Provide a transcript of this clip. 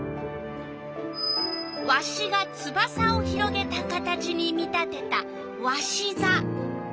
わしがつばさを広げた形に見立てたわしざ。